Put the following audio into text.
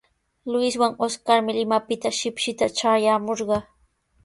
Luiswan Oscarmi Limapita shipshi traayaamushqa.